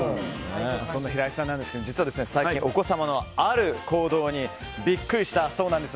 そんな平井さんですが最近、お子様のある行動にビックリしたそうです。